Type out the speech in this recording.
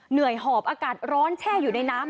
เหนื่อยหอบอากาศร้อนแช่อยู่ในน้ำ